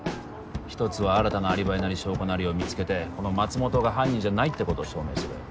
１つは新たなアリバイなり証拠なりを見つけてこの松本が犯人じゃないってことを証明する。